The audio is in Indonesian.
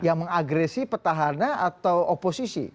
yang mengagresi petahana atau oposisi